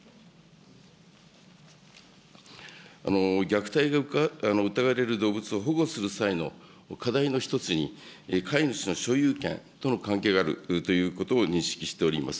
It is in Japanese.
虐待が疑われる動物を保護する際の課題の一つに、飼い主の所有権との関係があるということを認識しております。